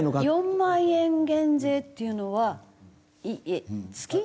４万円減税っていうのは月？